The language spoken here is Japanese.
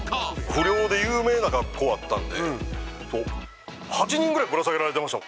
不良で有名な学校あったんで８人ぐらいぶら下げられてました